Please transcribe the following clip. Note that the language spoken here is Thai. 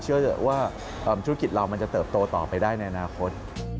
เชื่อว่าธุรกิจเรามันจะเติบโตต่อไปได้ในอนาคต